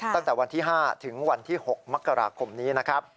ตั้งแต่วันที่๕ถึงวันที่๖มกราคมนี้นะครับ